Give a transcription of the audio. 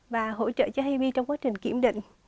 và hỗ trợ cho hib trong quá trình kiểm định